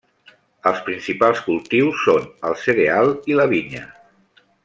Els principals cultius són el cereal i la vinya.